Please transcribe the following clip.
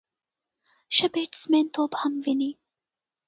ښه بیټسمېن توپ سم ویني.